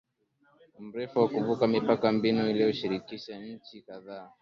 mrefu na kuvuka mipaka mbinu inayoshirikisha nchi kadhaa